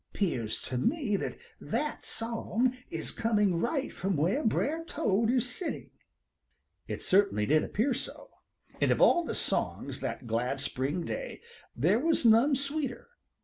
'Pears to me that that song is coming right from where Brer Toad is sitting." It certainly did appear so, and of all the songs that glad spring day there was none sweeter.